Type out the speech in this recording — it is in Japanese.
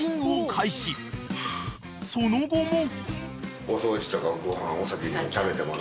［その後も］